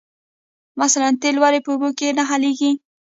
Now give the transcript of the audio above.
مثلاً تیل ولې په اوبو کې نه حل کیږي